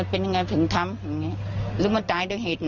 ต้องรุดออกป่ากมันมาเอง